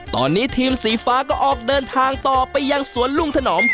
ตอนนี้ทีมสีฟ้าก็ออกเดินทางต่อไปยังสวนลุงถนอม